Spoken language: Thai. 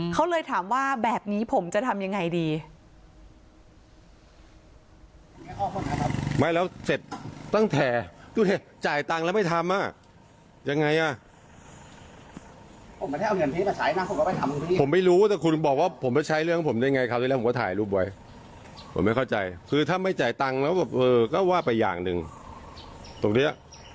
เขาเลยถามว่าแบบนี้ผมจะทำยังไงดี